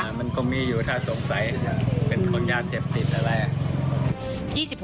มันก็มีอยู่ถ้าสงสัยจะเป็นคนยาเสพติดอะไร